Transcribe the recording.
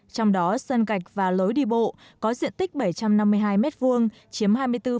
trong đó sân cạch và lối đi bộ có diện tích bảy trăm năm mươi hai m hai chiếm hai mươi bốn bảy